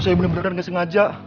saya bener bener gak sengaja